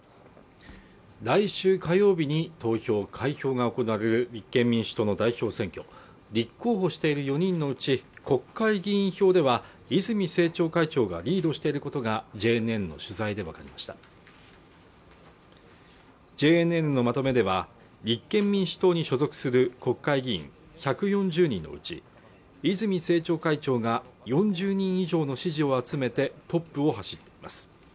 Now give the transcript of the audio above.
来週火曜日に投票開票が行われ立憲民主党の代表選挙立候補している４人のうち国会議員票では泉政調会長がリードしていることがＪＮＮの取材で分かりましたＪＮＮのまとめでは立憲民主党に所属する国会議員１４０人のうち泉政調会長が４０人以上の支持を集めてトップを走っています